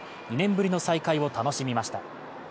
２年ぶりの再会を楽しみました。